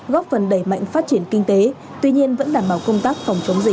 góp phần đẩy mạnh phát triển kinh tế tuy nhiên vẫn đảm bảo công tác phòng chống dịch